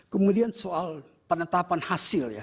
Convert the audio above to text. kemudian soal penetapan hasil ya